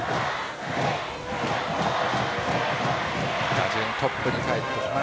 打順トップにかえって、田中。